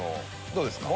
どうですか？